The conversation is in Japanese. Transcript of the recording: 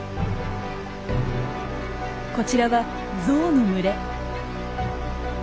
こちらはゾウの群れ。